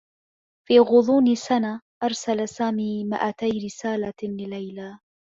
في غضون سنة، أرسل سامي ماءتي رسالة لليلى.